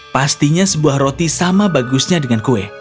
pastinya sebuah roti sama bagusnya dengan kue